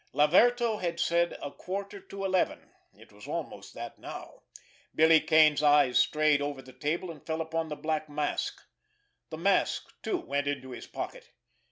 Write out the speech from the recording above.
Laverto had said a quarter to eleven. It was almost that now. Billy Kane's eyes strayed over the table, and fell upon the black mask. The mask, too, went into his pocket.